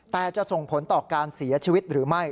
แต่จะส่งผลต่อการเสียชีวิตหรือไม่